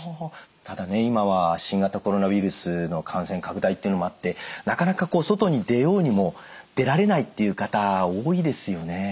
ただね今は新型コロナウイルスの感染拡大っていうのもあってなかなか外に出ようにも出られないっていう方多いですよね。